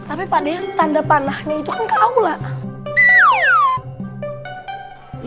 apa yang tanda panah ide ide